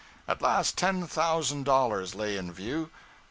At last ten thousand dollars lay in view.